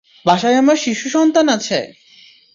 বাসায় আমার শিশু সন্তান আছে!